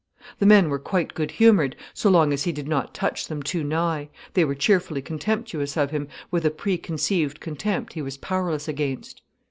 The men were quite good humoured so long as he did not touch them too nigh, they were cheerfully contemptuous of him, with a preconceived contempt he was powerless against.